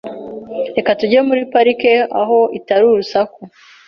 Reka tujye muri parike aho itari urusaku .